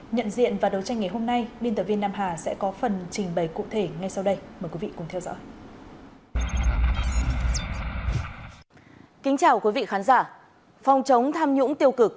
nhận diện và đấu tranh ngày hôm nay